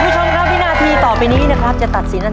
สวัสดีตำ